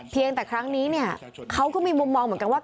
เพียงแต่ครั้งนี้เนี่ยเขาก็มีมุมมองเหมือนกันว่า